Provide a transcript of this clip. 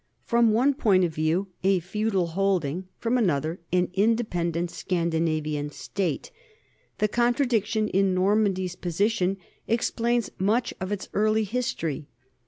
From one point of view a feudal holding, from another an independent Scandinavian state, the contradiction in Normandy's position explains much of its early history.